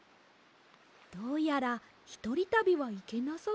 どうやらひとりたびはいけなさそうです。